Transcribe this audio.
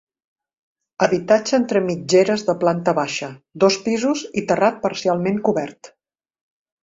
Habitatge entre mitgeres de planta baixa, dos pisos i terrat parcialment cobert.